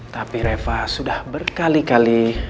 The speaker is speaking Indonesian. tapi reva sudah berkali kali aku bilang ke kamu aku mau pergi ke rumah kamu